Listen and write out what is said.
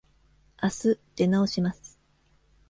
あす出直します。